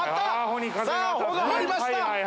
帆が張りました！